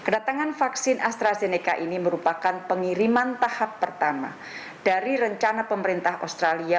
kedatangan vaksin astrazeneca ini merupakan pengiriman tahap pertama dari rencana pemerintah australia